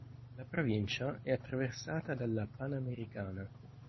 La provincia è attraversata dalla Panamericana.